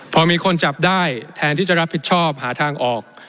พอมีคนจับได้แทนที่จะรับผิดชอบหาทางออก